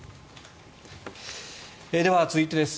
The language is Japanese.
では、続いてです。